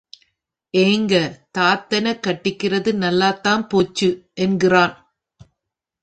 எங்க தாத்தெனக் கட்டிக்கிறது நல்லதாப் போச்சு! என்கிறான்.